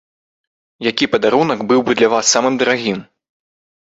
Які падарунак быў бы для вас самым дарагім?